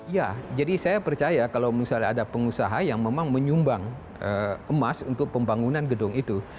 ya jadi saya percaya kalau misalnya ada pengusaha yang memang menyumbang emas untuk pembangunan gedung itu